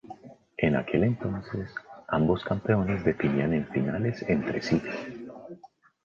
En aquel entonces, ambos campeones definían en finales entre sí.